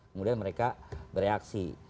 kemudian mereka bereaksi